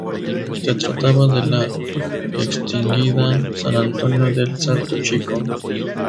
Se trataba de la extinguida "San Antonio del Salto Chico".